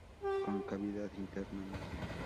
Con cavidad interna media.